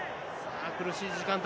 苦しい時間帯。